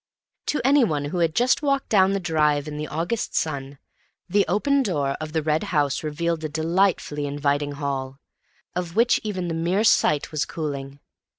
To anyone who had just walked down the drive in the August sun, the open door of the Red House revealed a delightfully inviting hall, of which even the mere sight was cooling.